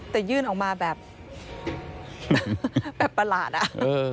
แต่ยื่นออกมาแบบประหลาดอะ